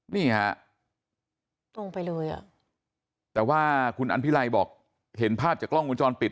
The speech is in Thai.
นี่ฮะตรงไปเลยอ่ะแต่ว่าคุณอันพิไลบอกเห็นภาพจากกล้องวงจรปิด